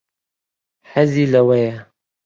حەزی لەوەیە.